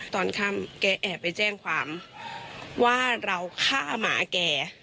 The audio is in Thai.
ตอนค่ำแกแอบไปแจ้งความว่าเราฆ่าหมาแก